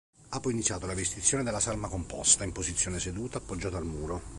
Ha poi inizio la vestizione della salma composta in posizione seduta appoggiata al muro.